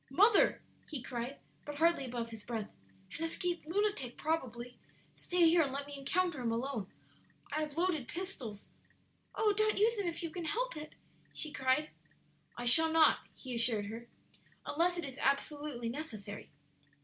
"Mother!" he cried, but hardly above his breath, "an escaped lunatic, probably! Stay here and let me encounter him alone. I have loaded pistols " "Oh, don't use them if you can help it!" she cried. "I shall not," he assured her, "unless it is absolutely necessary."